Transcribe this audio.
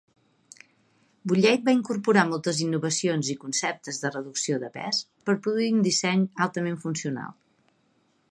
Bulleid va incorporar moltes innovacions i conceptes de reducció de pes per produir un disseny altament funcional.